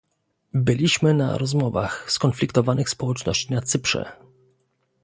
Byliśmy na rozmowach skonfliktowanych społeczności na Cyprze